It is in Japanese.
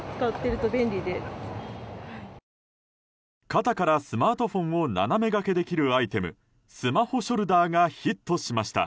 肩からスマートフォンを斜めがけできるアイテムスマホショルダーがヒットしました。